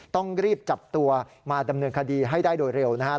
ต้องรีบจับตัวมาดำเนินคดีให้ได้โดยเร็วนะครับ